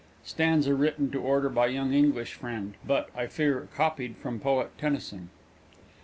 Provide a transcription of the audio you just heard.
_Stanza written to order by young English friend, but (I fear) copied from Poet Tennyson.